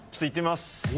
いってみます。